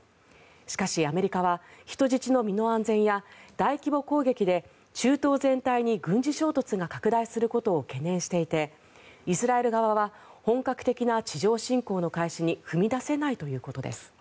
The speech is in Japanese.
しかしアメリカは人質の身の安全や大規模攻撃で中東全体に軍事衝突が拡大することを懸念していてイスラエル側は本格的な地上侵攻の開始に踏み出せないということです。